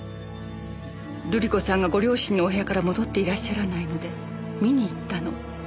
瑠璃子さんがご両親のお部屋から戻っていらっしゃらないので見に行ったの。